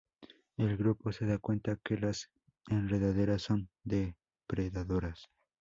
El grupo se da cuenta que las enredaderas son depredadoras.